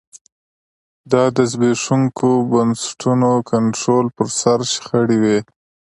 دا د زبېښونکو بنسټونو کنټرول پر سر شخړې وې